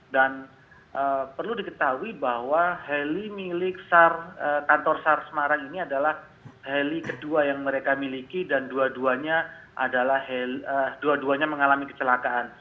dan perlu diketahui bahwa heli milik kantor sar semarang ini adalah heli kedua yang mereka miliki dan dua duanya mengalami keselakaan